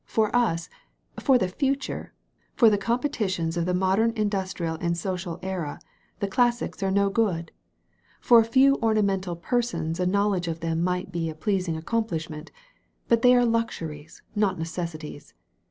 For us, for the future, for the competi tions of the modem industrial and social era, the classics are no good. For a few ornamental persons a knowledge of them may be a pleasing accomplish ment. But they are luxuries, not necessaries.